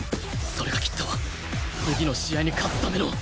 それがきっと次の試合に勝つための